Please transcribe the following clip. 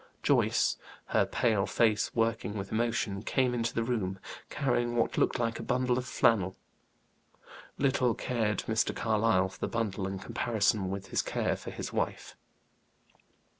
Joyce, her pale face working with emotion, came into the room, carrying what looked like a bundle of flannel. Little cared Mr. Carlyle for the bundle, in comparison with his care for his wife.